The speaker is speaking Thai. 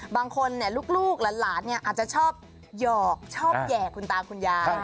บางคนลูกหลานอาจจะชอบหยอกชอบแห่คุณตาคุณยาย